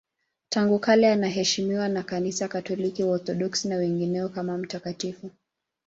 Tangu kale anaheshimiwa na Kanisa Katoliki, Waorthodoksi na wengineo kama mtakatifu.